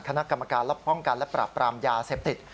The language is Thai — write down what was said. คณะกรรมการและป้องกันและปรับปรามยาเสพติด